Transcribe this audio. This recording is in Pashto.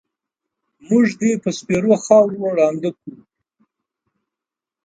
مونږ دې په سپېرو خاورو ړانده کړو